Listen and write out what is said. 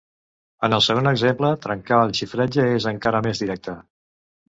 En el segon exemple, trencar el xifratge és encara més directe.